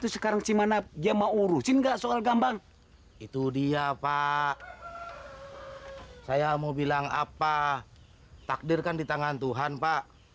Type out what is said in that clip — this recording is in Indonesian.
sampai jumpa di video selanjutnya